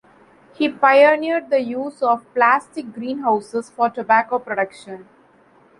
He pioneered the use of plastic greenhouses for tobacco production.